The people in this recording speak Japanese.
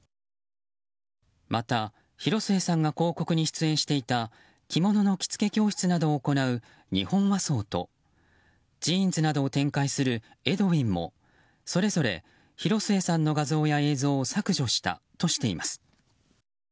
また、広末さんが広告に出演していた着物の着付け教室を行う日本和装とジーンズなどを展開するＥＤＷＩＮもそれぞれ、広末さんの画像や映像を削除したとしています。